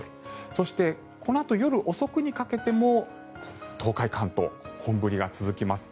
そしてこのあと夜遅くにかけても東海、関東本降りが続きます。